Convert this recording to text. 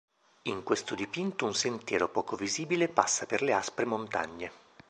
In questo dipinto un sentiero poco visibile passa per le aspre montagne.